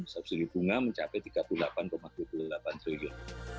subsidi bunga mencapai rp tiga puluh delapan dua puluh delapan triliun